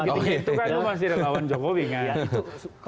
oh gitu kan itu masih rekawan jokowi kan